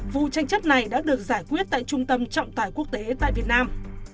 vụ tranh chấp này đã được giải quyết tại trung tâm trọng tài quốc tế tại việt nam